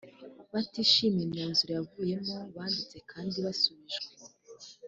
batishimiye imyanzuro yavuyemo banditse kandi basubijwe